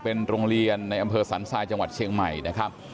เป็นโรงเรียนในอำเภอสันทรายจังหวัดเชียงใหม่นะครับ